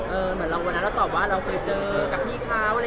เหมือนวันนั้นเราตอบว่าเราเคยเจอกับพี่เขา